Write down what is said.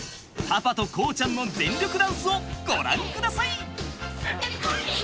パパと航ちゃんの全力ダンスをご覧ください！